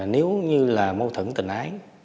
nếu như là mâu thuẫn tình ái